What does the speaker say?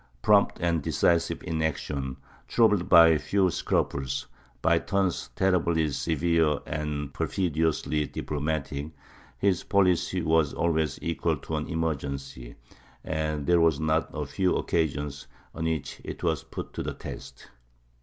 Prompt and decisive in action, troubled by few scruples, by turns terribly severe and perfidiously diplomatic, his policy was always equal to an emergency; and there were not a few occasions on which it was put to the test.